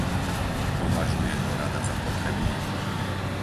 Považuje ho Rada za potrebný?